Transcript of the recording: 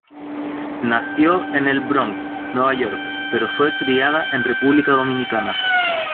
Nació en El Bronx, Nueva York, pero fue criada en República Dominicana.